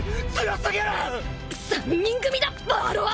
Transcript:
３人組だバーロー！